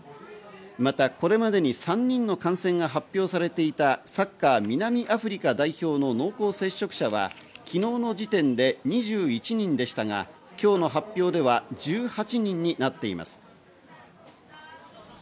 またこれまでに３人の感染が発表されていたサッカー南アフリカ代表の濃厚接触者は昨日の時点で２１人でしたが今日の発表では１８人になっています。